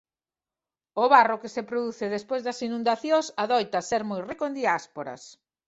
O barro que se produce despois das inundacións adoita ser moi rico en diásporas.